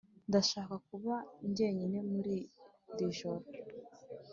ndashaka kuba njyenyine muri iri joro.